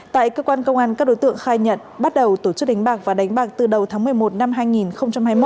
tại cơ quan công an các đối tượng khai nhận bắt đầu tổ chức đánh bạc và đánh bạc từ đầu tháng một mươi một năm hai nghìn hai mươi một